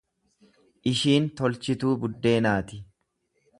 Ishiin tolchituu buddeenaati.